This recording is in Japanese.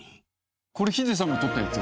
これヒデさんが撮ったやつですか？